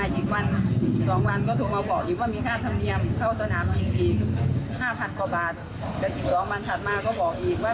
เดี๋ยวอีก๒วันถัดมาก็บอกอีกว่า